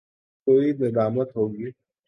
کوئی ندامت ہو گی؟